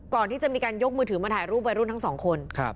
ก่อนที่จะมีการยกมือถือมาถ่ายรูปวัยรุ่นทั้งสองคน